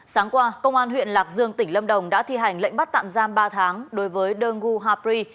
sáng qua công an huyện lạc dương tỉnh lâm đồng đã thi hành lệnh bắt tạm giam ba tháng đối với đơn gu hà pri